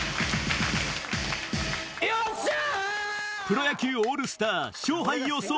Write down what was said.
プロ野球オールスター勝敗予想